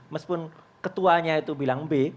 meskipun ketuanya itu bilang b